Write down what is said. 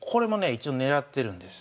一応狙ってるんです。